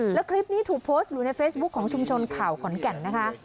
แล้วคลิปนี้ถูกโพสต์อยู่ในเฟซบุ๊คของชุมชนข่าวขอนแก่นนะคะ